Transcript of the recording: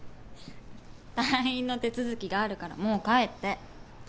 退院の手続きがあるからもう帰って。